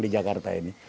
di jakarta ini